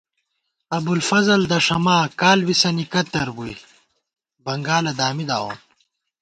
ابُوالفضل دݭَما ، کال بی سن اِکتّر بُوئی بنگالہ دامی داوون